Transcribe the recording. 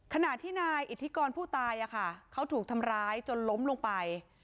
ขณะที่นายอิทธิกรผู้ตายเขาถูกทำร้ายจนล้มลงไป